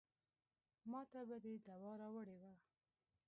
ماته به دې دوا راوړې وه.